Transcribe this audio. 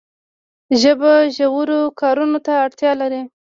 ژبه ژورو کارونو ته اړتیا لري.